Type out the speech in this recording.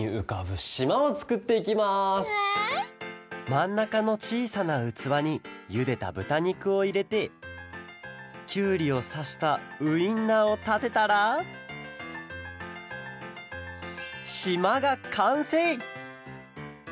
まんなかのちいさなうつわにゆでたぶたにくをいれてきゅうりをさしたウインナーをたてたらしまがかんせい！